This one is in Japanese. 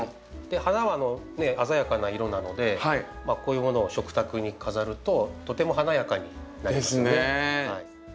花はね鮮やかな色なのでこういうものを食卓に飾るととても華やかになりますね。ですね！